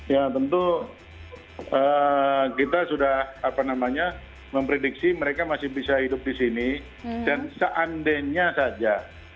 ya tentu kita sudah memprediksi mereka masih bisa hidup di sini dan seandainya saja